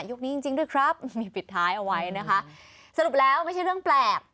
นี้จริงจริงด้วยครับมีปิดท้ายเอาไว้นะคะสรุปแล้วไม่ใช่เรื่องแปลก